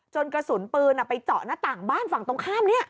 กระสุนปืนไปเจาะหน้าต่างบ้านฝั่งตรงข้ามนี้